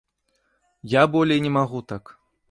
Я болей не магу так!